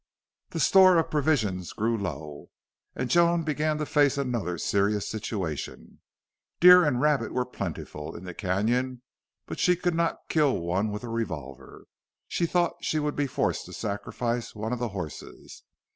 The store of provisions grew low, and Joan began to face another serious situation. Deer and rabbit were plentiful in the canon, but she could not kill one with a revolver. She thought she would be forced to sacrifice one of the horses.